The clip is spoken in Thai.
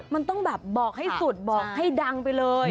มันต้องแบบบอกให้สุดบอกให้ดังไปเลย